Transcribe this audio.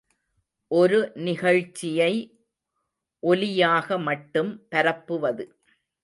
ஒரு நிகழ்ச்சியை ஒலியாக மட்டும் பரப்புவது.